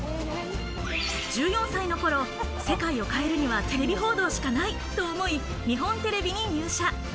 １４歳の頃、世界を変えるにはテレビ報道しかないと思い、日本テレビに入社。